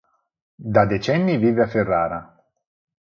Da decenni vive a Ferrara.